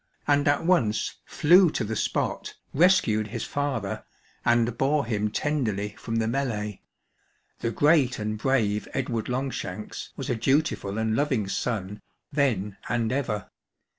and at once flew to the spot> rescued his father, and bore him tenderly from the melee. The great and brave Edward Longshanks was a dutiful and loving son then and ever.